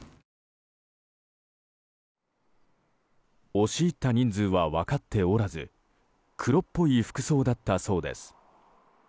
押し入った人数は分かっておらず黒っぽい服装だったそうです。